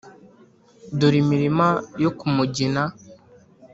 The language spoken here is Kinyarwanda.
dore imirima yo ku mugina.